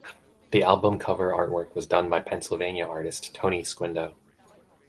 The album cover artwork was done by Pennsylvania artist Tony Squindo.